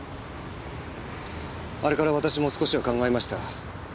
あれから私も少しは考えました。